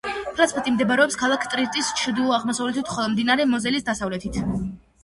პფალცელი მდებარეობს ქალაქ ტრირის ჩრდილოაღმოსავლეთით, ხოლო მდინარე მოზელის დასავლეთით.